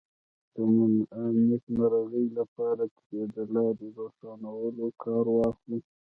د نېکمرغۍ لپاره ترې د لارې روښانولو کار واخلو.